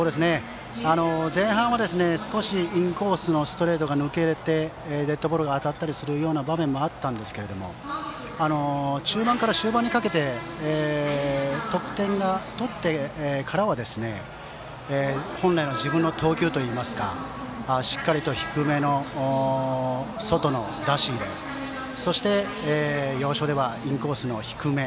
前半は少しインコースのストレートが抜けて、デッドボールが当たったりするような場面があったんですが中盤から終盤にかけて得点を取ってからは本来の自分の投球といいますかしっかりと低めの外の出し入れそして要所ではインコースの低め。